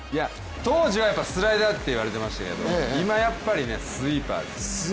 当時はスライダーって言われてましたけど、今やっぱり、スイーパーですよ。